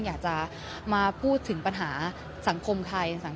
อยากจะมาพูดถึงปัญหาสังคมไทย